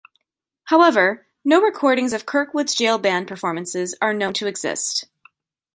However, no recordings of Kirkwood's jail band performances are known to exist.